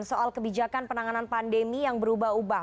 soal kebijakan penanganan pandemi yang berubah ubah